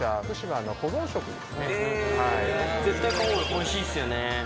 おいしいっすよね。